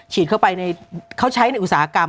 เข้าไปเขาใช้ในอุตสาหกรรม